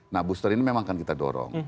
nah booster ini memang akan kita dorong